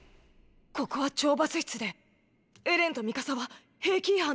ここは懲罰室でエレンとミカサは兵規違反のお務め中だよ。